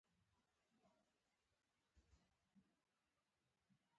د هوا تودوخه د فصل د ودې مهم فکتور دی.